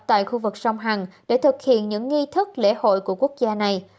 tại khu vực sông hằng để thực hiện những nghi thức lễ hội của quốc gia này